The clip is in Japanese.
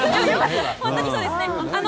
本当にそうですね。